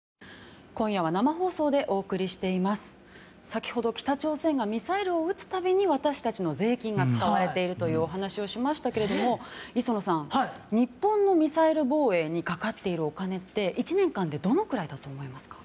先程、北朝鮮がミサイルを撃つ度に私たちの税金が使われているというお話をしましたけども磯野さん、日本のミサイル防衛にかかっているお金って１年間でどのくらいだと思いますか。